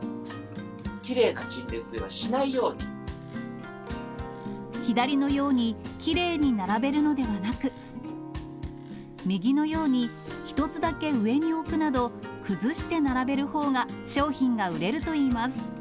きれいな陳列にはしないよう左のように、きれいに並べるのではなく、右のように１つだけ上に置くなど、崩して並べるほうが商品が売れるといいます。